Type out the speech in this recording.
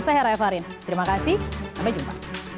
saya heraya farin terima kasih sampai jumpa